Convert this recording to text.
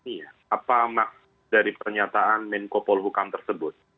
saya terpaksa menerima dari pernyataan menko polhukam tersebut